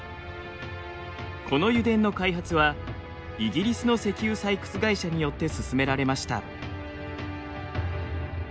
この油田の開発はイギリスの石油採掘会社によって進められました。